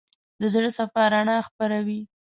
د زړه صفا رڼا خپروي.